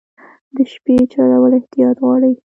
د شپې چلول احتیاط غواړي.